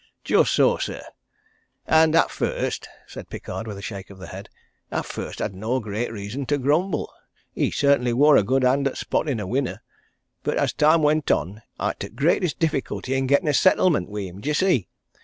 "Just so, sir! And at first," said Pickard, with a shake of the head, "at first I'd no great reason to grumble. He cert'ny wor a good hand at spottin' a winner. But as time went on, I' t' greatest difficulty in gettin' a settlement wi' him, d'ye see?